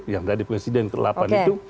yang dari presiden ke delapan itu